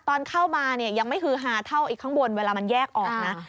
ตอนเข้ามาเนี่ยยังไม่ฮือฮาเท่าอีกข้างบนเวลามันแยกออกนะ